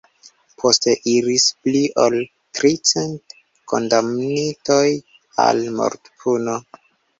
Poste iris pli ol tricent kondamnitoj al mortpuno.